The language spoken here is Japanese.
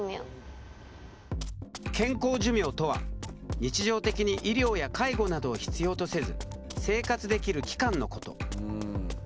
健康寿命とは日常的に医療や介護などを必要とせず生活できる期間のこと。